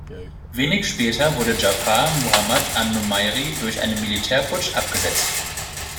Wenig später wurde Dschafar Muhammad an-Numairi durch einen Militärputsch abgesetzt.